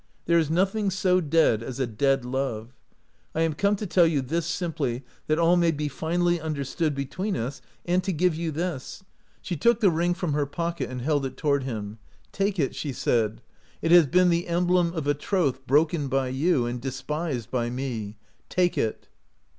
There is nothing so dead as a dead love. I am come to tell you this simply that all may be finally understood between us, and to give you this." She took the ring from her pocket and held it toward him. " Take it," she said ;" it has been the emblem of a troth broken by you and de spised by me. Take it!"